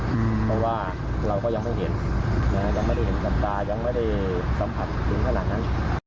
เพราะว่าเราก็ยังไม่เห็นยังไม่ได้เห็นกับตายังไม่ได้สัมผัสถึงขนาดนั้น